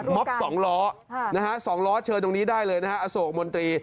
มอบ๒ล้อ๒ล้อเชิญตรงนี้ได้เลยนะฮะอโศกมนตรี